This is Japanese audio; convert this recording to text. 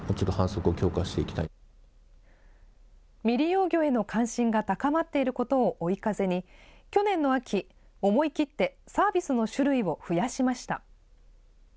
未利用魚への関心が高まっていることを追い風に、去年の秋、思い切ってサービスの種類を増やしました。